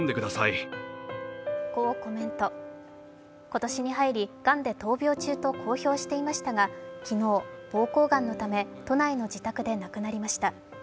今年に入り、がんで闘病中と公表していましたが昨日、ぼうこうがんのため都内の自宅で亡くなりました。